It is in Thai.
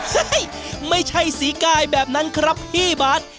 ไม่ใช่สีกายแบบนั้นครับพี่บาท